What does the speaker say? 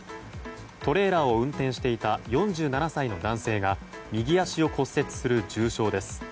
トレーラーを運転していた４７歳の男性が右足を骨折する重傷です。